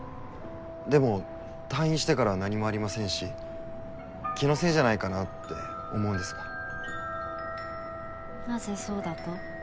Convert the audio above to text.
でも退院してから何もありませんし気のせいじゃないかなって思うんですがなぜそうだと？